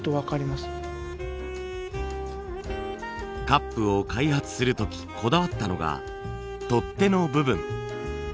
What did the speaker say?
カップを開発する時こだわったのが取っ手の部分。